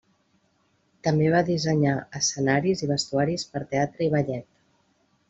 També va dissenyar escenaris i vestuaris per teatre i ballet.